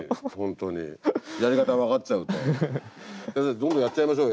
どんどんやっちゃいましょうよ。